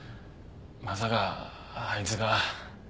まさかあいつが。